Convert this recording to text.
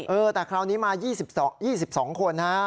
เออแต่คราวนี้มา๒๒คนฮะ